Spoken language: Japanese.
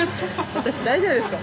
私大丈夫ですか？